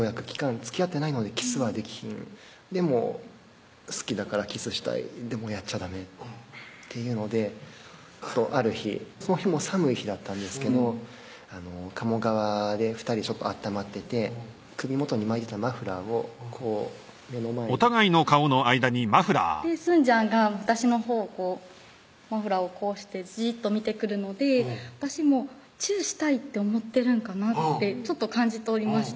つきあってないのにキスはできひんでも好きだからキスしたいでもやっちゃダメっていうのである日その日寒い日だったんですけど鴨川で２人暖まってて首元に巻いてたマフラーをこう目の前にすんじゃんが私のほうをこうマフラーをこうしてじーっと見てくるので私もチューしたいって思ってるんかなってちょっと感じ取りました